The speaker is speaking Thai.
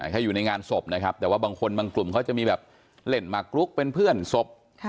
ให้อยู่ในงานศพนะครับแต่ว่าบางคนบางกลุ่มเขาจะมีแบบเล่นมากรุ๊ปเป็นเพื่อนศพ